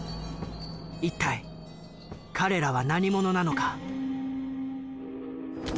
一体彼らは何者なのか？